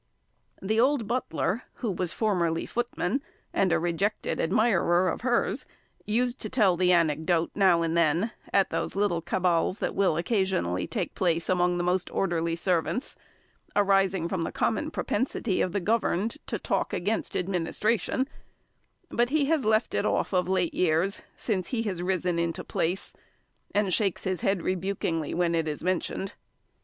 The old butler, who was formerly footman, and a rejected admirer of hers, used to tell the anecdote now and then, at those little cabals that will occasionally take place among the most orderly servants, arising from the common propensity of the governed to talk against administration; but he has left it off, of late years, since he has risen into place, and shakes his head rebukingly when it is mentioned.